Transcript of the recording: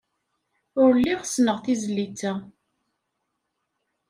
Ur lliɣ ssneɣ tizlit-a.